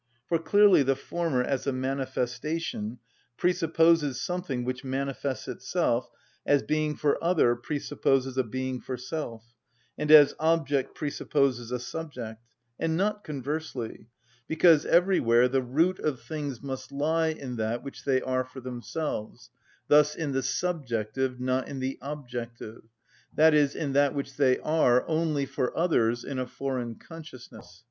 For clearly the former as a manifestation presupposes something which manifests itself, as being for other presupposes a being for self, and as object presupposes a subject; and not conversely: because everywhere the root of things must lie in that which they are for themselves, thus in the subjective, not in the objective, i.e., in that which they are only for others, in a foreign consciousness.